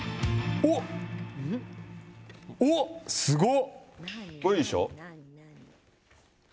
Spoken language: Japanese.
おっ、すごっ！え？